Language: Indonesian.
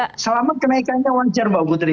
ya selamat kenaikannya wajar mbak putri ya